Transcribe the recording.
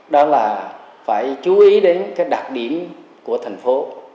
đó là phải chú ý đến cái đặc điểm của thành phố